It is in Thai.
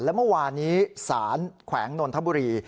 และเมื่อวานี้สารแขวงนนทบุรี